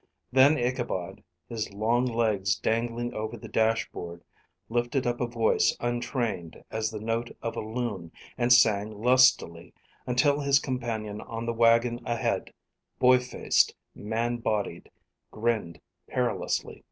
Then Ichabod, his long legs dangling over the dashboard, lifted up a voice untrained as the note of a loon, and sang lustily, until his companion on the wagon ahead, boy faced, man bodied, grinned perilously.